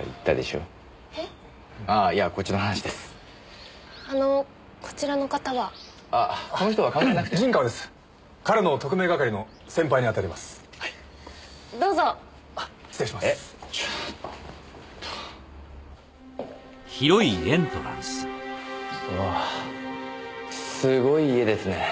うわすごい家ですね。